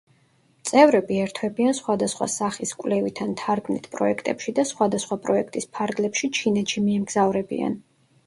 წევრები ერთვებიან სხვადასხვა სახის კვლევით ან თარგმნით პროექტში და სხვადასხვა პროექტის ფარგლებში ჩინეთში მიემგზავრებიან.